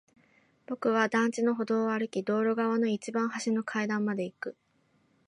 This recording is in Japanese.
僕は団地の歩道を歩き、道路側の一番端の階段まで行く。